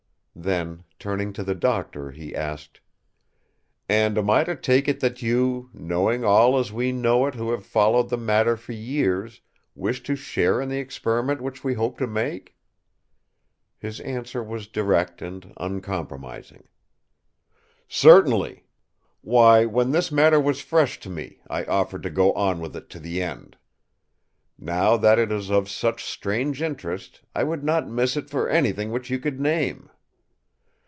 Then, turning to the Doctor, he asked: "And am I to take it that you, knowing all as we know it who have followed the matter for years, wish to share in the experiment which we hope to make?" His answer was direct and uncompromising: "Certainly! Why, when this matter was fresh to me, I offered to go on with it to the end. Now that it is of such strange interest, I would not miss it for anything which you could name.